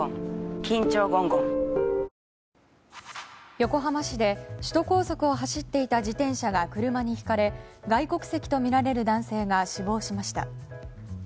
横浜市で首都高速を走っていた自転車が車にひかれ外国籍とみられる男性が死亡しました。